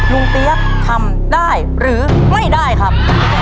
เปี๊ยกทำได้หรือไม่ได้ครับ